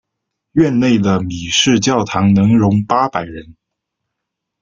院内的米市教堂能容八百人。